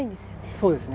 そうですね。